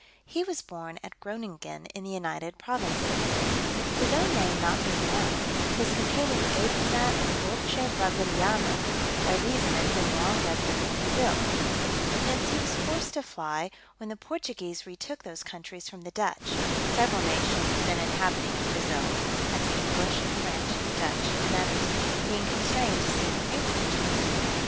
He was born at Groninghen in the United Provinces. His own name not being known, his companions gave him that of Roche Brasiliano, by reason of his long residence in Brasil: hence he was forced to fly, when the Portuguese retook those countries from the Dutch, several nations then inhabiting at Brasil (as English, French, Dutch, and others), being constrained to seek new fortunes.